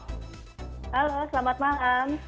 halo selamat malam